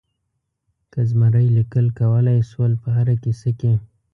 که زمری لیکل کولای شول په هره کیسه کې.